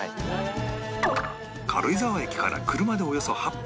軽井沢駅から車でおよそ８分